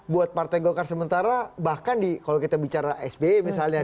buat partai golkar sementara bahkan kalau kita bicara sby misalnya